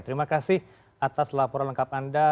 terima kasih atas laporan lengkap anda